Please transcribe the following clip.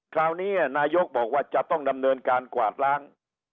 คราวนี้นายกบอกว่าจะต้องดำเนินการกวาดล้าง